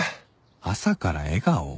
朝から笑顔？